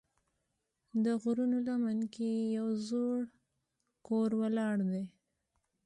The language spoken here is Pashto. د غرونو لمن کې یو زوړ کور ولاړ دی.